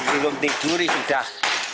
belum tiduri sudah